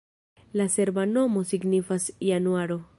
La serba nomo signifas januaro.